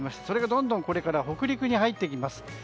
それがどんどんこれから北陸に入ってきます。